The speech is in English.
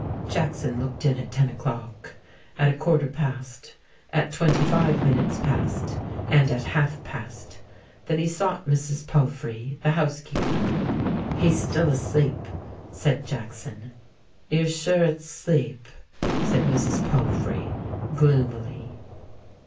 Jackson looked in at ten o'clock, at a quarter past, at twenty five minutes past, and at half past. Then he sought Mrs. Palfrey, the housekeeper. ' He's still asleep,' said Jackson. ' You're sure it's sleep ?' said Mrs. Palfrey gloomily.